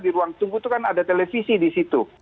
di ruang tunggu itu kan ada televisi di situ